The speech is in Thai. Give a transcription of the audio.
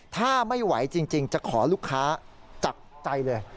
ถ้าไม่ไหวจริงจะขอลูกค้าจากใจเลย